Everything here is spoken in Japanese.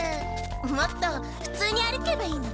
もっとふつうに歩けばいいのね。